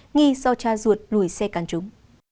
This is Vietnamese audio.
nghi do cha ruột lùi xe can trúng